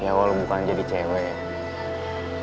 ya walau bukan jadi cewek